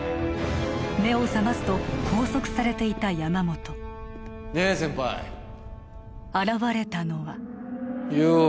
目を覚ますと拘束されていた山本ねえ先輩現れたのはよう